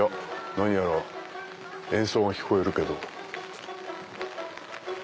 何やら演奏が聞こえるけど。